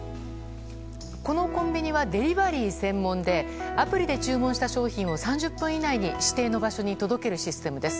このコンビニはデリバリー専門でアプリで注文した商品を３０分以内に指定の場所に届けるシステムです。